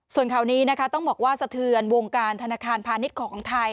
ส่วนข่าวนี้นะคะต้องบอกว่าสะเทือนวงการธนาคารพาณิชย์ของไทย